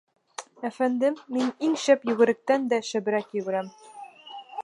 — Әфәндем, мин иң шәп йүгеректән дә шәберәк йүгерәм.